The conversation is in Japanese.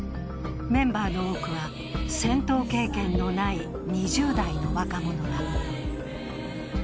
メンバーの多くは、戦闘経験のない２０代の若者だ。